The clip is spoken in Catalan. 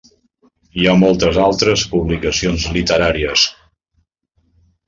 Hi ha moltes altres publicacions literàries.